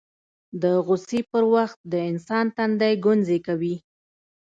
د غوسې پر وخت د انسان تندی ګونځې کوي